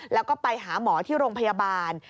แล้วก็ไปหาหมอที่โรงพยาบาล